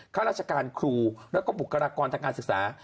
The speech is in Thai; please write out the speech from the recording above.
ข้าราชการครูแล้วก็บุคลากรทางการศึกษา